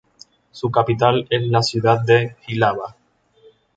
Su capital es la ciudad de Jihlava.